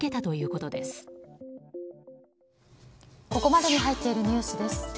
ここまでに入っているニュースです。